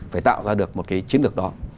phải tạo ra được một cái chiến lược đó